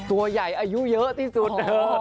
ตัวใหญ่อายุเยอะที่สุด